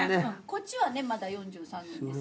こっちはねまだ４３年ですけど。